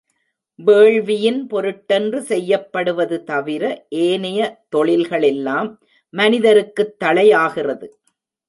வேள்வியின் பொருட்டென்று செய்யப்படுவது தவிர ஏனைய தொழில்களெல்லாம் மனிதருக்குத் தளையாகிறது.